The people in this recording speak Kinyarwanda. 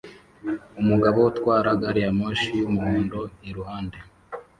Umugabo utwara gari ya moshi yumuhondo iruhande